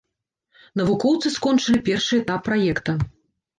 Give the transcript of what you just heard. Навукоўцы скончылі першы этап праекта.